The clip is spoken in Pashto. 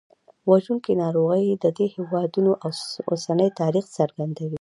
وژونکي ناروغۍ د دې هېوادونو اوسني تاریخ څرګندوي.